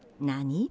何？